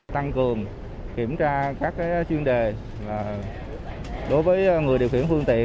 tăng cường kiểm tra các chuyên đề đối với người điều khiển phương tiện